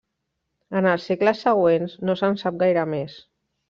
En els segles següents, no se'n sap gaire més.